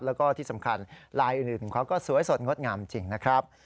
แล้วก็ที่สำคัญลายอื่นเขาก็สวยสดงดงามจริงนะครับ